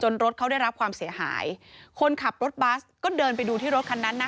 รถเขาได้รับความเสียหายคนขับรถบัสก็เดินไปดูที่รถคันนั้นนะ